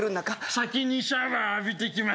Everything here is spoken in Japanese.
先にシャワー浴びてきます